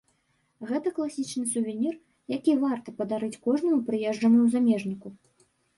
Гэта класічны сувенір, які варта падарыць кожнаму прыезджаму замежніку.